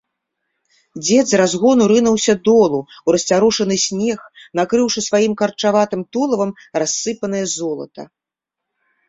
Дзед з разгону рынуўся долу, у расцярушаны снег, накрыўшы сваім карчаватым тулавам рассыпанае золата.